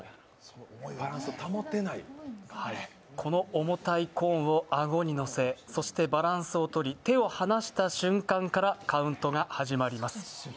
この重たいコーンをアゴにのせそしてバランスをとり手を離した瞬間からカウントが始まります。